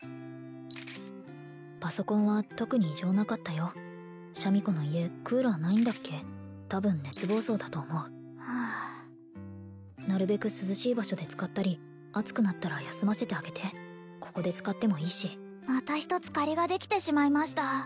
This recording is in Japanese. パソコンは特に異常なかったよシャミ子の家クーラーないんだっけ多分熱暴走だと思うはあなるべく涼しい場所で使ったり熱くなったら休ませてあげてここで使ってもいいしまた一つ借りができてしまいました